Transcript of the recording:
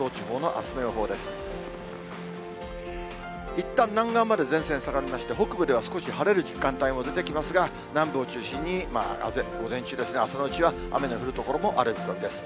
いったん南岸まで前線下がりまして、北部では少し晴れる時間帯も出てきますが、南部を中心に、午前中ですね、朝のうちは雨の降る所もある見込みです。